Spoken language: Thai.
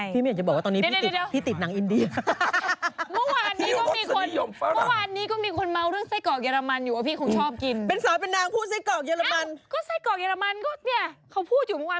ไม่อยากจะบอกว่าตอนนี้พี่ติดหนังอินเดีย